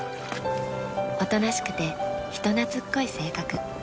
おとなしくて人懐っこい性格。